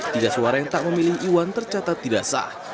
tiga suara yang tak memilih iwan tercatat tidak sah